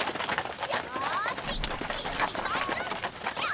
よしいきますよ！